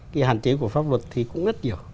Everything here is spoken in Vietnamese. cái hạn chế của pháp luật thì cũng rất nhiều